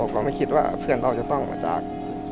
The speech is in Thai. ก็ไม่คิดว่าเพื่อนเขาจะต้องมาจาก